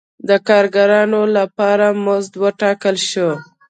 د کارګرانو لپاره مزد وټاکل شو.